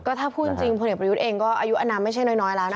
ถ้าพูดจริงพลเอกประยุทธ์เองก็อายุอนามไม่ใช่น้อยแล้วนะคะ